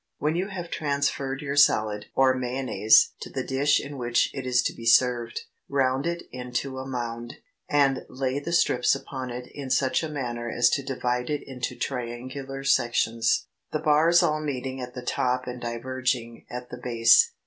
When you have transferred your salad (or mayonnaise) to the dish in which it is to be served, round it into a mound, and lay the strips upon it in such a manner as to divide it into triangular sections, the bars all meeting at the top and diverging at the base.